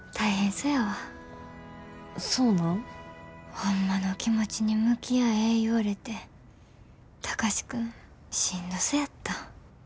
ホンマの気持ちに向き合え言われて貴司君しんどそやった。